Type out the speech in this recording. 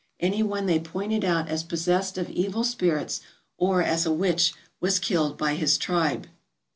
Any one they pointed out as possessed of evil spirits or as a witch was killed by his tribe.